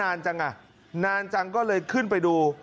นานจังอ่ะนานจังก็เลยขึ้นไปดู